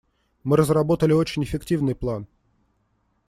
Мы разработали очень эффективный план.